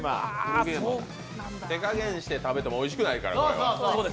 手加減して食べてもおいしくないから。